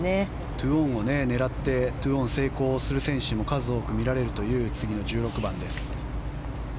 ２オンを狙って２オン成功する選手も数多くみられるという次の１６番です。